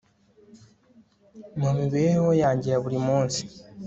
Mu mibereho yanjye ya buri munsi